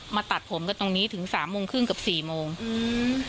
ตัดผมกันตรงนี้ถึงสามโมงครึ่งกับสี่โมงอืม